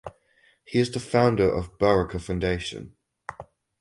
He is the founder of Baraka Foundation.